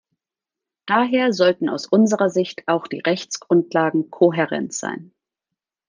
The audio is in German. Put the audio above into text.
Daher sollten aus unserer Sicht auch die Rechtsgrundlagen kohärent sein.